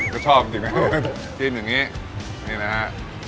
ก็ชอบจริงคือจิ้มอย่างงี้นี่นะฮะ